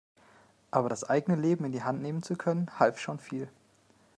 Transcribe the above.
Aber das eigene Leben in die Hand nehmen zu können, half schon viel.